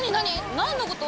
何のこと？